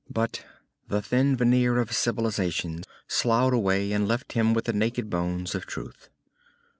But the thin veneer of civilization sloughed away and left him with the naked bones of truth.